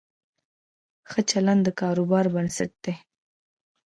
ښه چلند د کاروبار بنسټ دی.